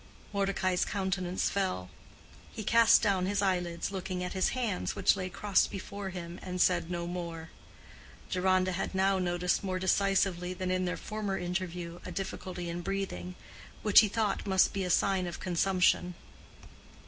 Mordecai's countenance fell: he cast down his eyelids, looking at his hands, which lay crossed before him, and said no more. Deronda had now noticed more decisively than in their former interview a difficulty in breathing, which he thought must be a sign of consumption.